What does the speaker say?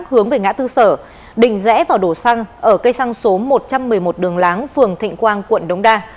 hướng về ngã tư sở đình rẽ vào đổ xăng ở cây xăng số một trăm một mươi một đường láng phường thịnh quang quận đống đa